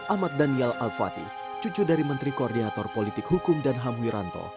ahmad daniel al fatih cucu dari menteri koordinator politik hukum dan ham wiranto